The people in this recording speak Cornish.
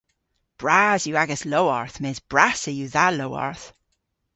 Bras yw agas lowarth mes brassa yw dha lowarth.